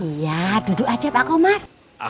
iya duduk aja pakomar